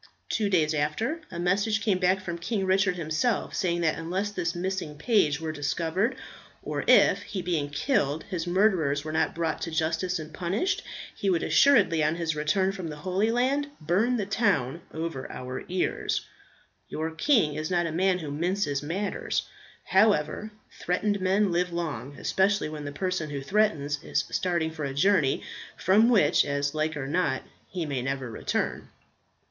Two days after, a message came back from King Richard himself, saying that unless this missing page were discovered, or if, he being killed, his murderers were not brought to justice and punished, he would assuredly on his return from the Holy Land burn the town over our ears. Your king is not a man who minces matters. However, threatened men live long, especially when the person who threatens is starting for a journey, from which, as like or not, he may never return.